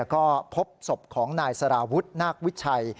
ก็พบศพของนายสารวุฒินาควิชัย